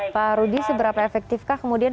pak rudi seberapa efektifkah kemudian